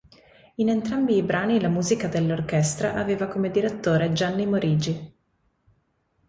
In entrambi i brani la musica dell'orchestra aveva come direttore Gianni Morigi.